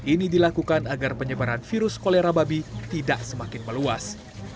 ini dilakukan agar penyebaran virus kolera babi tidak semakin meluas